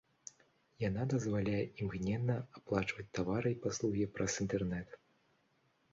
Яна дазваляе імгненна аплачваць тавары і паслугі праз інтэрнэт.